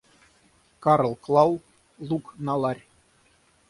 Карл клал лук на ларь.